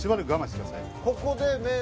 ここで。